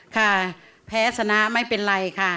ค่ะแพ้ชนะไม่เป็นไรค่ะ